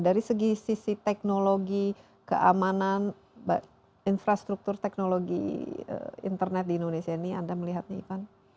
dari segi sisi teknologi keamanan infrastruktur teknologi internet di indonesia ini anda melihatnya ivan